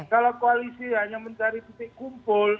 kalau koalisi hanya mencari titik kumpul